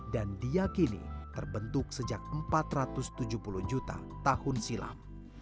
dan diakini terbentuk sejak empat ratus tujuh puluh juta tahun silam